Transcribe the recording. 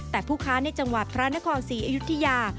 แต่ผู้ค้าในจังหวัดพระนครศรีอยุธยา